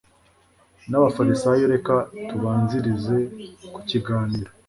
nabafarisayo reka tubanzirize ku kiganiro